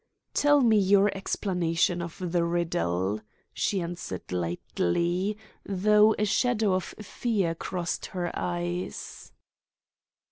"Tell me your explanation of the riddle," she answered lightly, though a shadow of fear crossed her eyes.